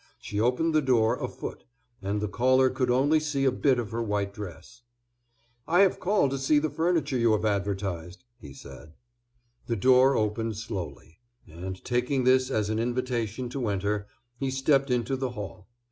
She opened the door a foot, and the caller could only see a bit of her white dress. "I have called to see the furniture you have advertised," he said. The door opened slowly, and, taking this as an invitation to enter, he stepped into the hall.